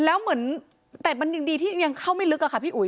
แล้วเหมือนแต่มันยังดีที่ยังเข้าไม่ลึกอะค่ะพี่อุ๋